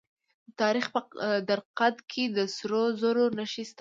د تخار په درقد کې د سرو زرو نښې شته.